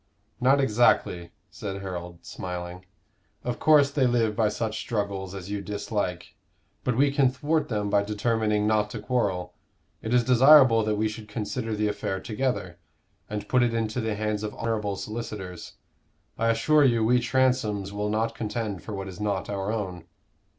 "Not exactly," said Harold, smiling. "Of course they live by such struggles as you dislike. But we can thwart them by determining not to quarrel. It is desirable that we should consider the affair together, and put it into the hands of honorable solicitors. I assure you we Transomes will not contend for what is not our own."